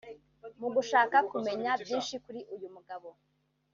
mu gushaka kumenya byinshi kuri uyu mugabo